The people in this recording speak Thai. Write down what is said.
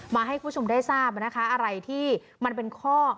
ให้คุณผู้ชมได้ทราบนะคะอะไรที่มันเป็นข้อ